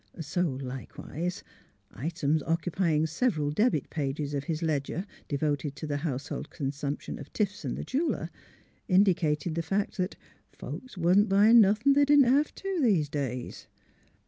So, likewise, items occupying several debit pages of his ledger devoted to the household consumption of Tifson, the jeweller, indicated the fact that '' folks wa'n't buyin' nothin' the' didn't hev to hev these days."